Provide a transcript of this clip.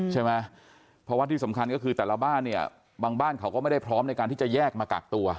ใช่ไหมเพราะว่าที่สำคัญก็คือแต่ละบ้านเนี่ยบางบ้านเขาก็ไม่ได้พร้อมในการที่จะแยกมากักตัว